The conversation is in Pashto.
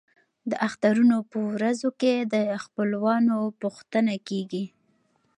د اخترونو په ورځو کې د خپلوانو پوښتنه کیږي.